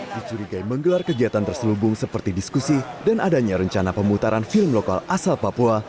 dicurigai menggelar kegiatan terselubung seperti diskusi dan adanya rencana pemutaran film lokal asal papua